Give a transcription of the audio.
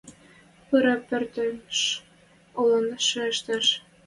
Пыра пӧртӹш, олен шайыштеш: